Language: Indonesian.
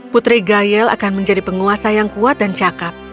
putri gayel akan menjadi penguasa yang kuat dan cakep